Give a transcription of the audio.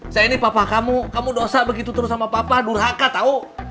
saya ini papa kamu kamu dosa begitu terus sama papa durhaka tahu